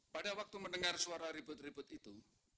pada waktu mendengar suara ribut ribut itu